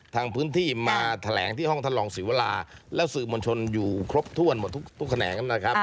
ทางพื้นที่มาแถลงที่ห้องท่านรองศิวราแล้วสื่อมวลชนอยู่ครบถ้วนหมดทุกแขนงนะครับ